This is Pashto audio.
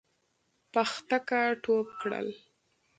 پختکه ټوپ کړل.